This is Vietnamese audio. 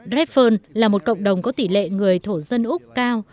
redfhone là một cộng đồng có tỷ lệ người thổ dân úc cao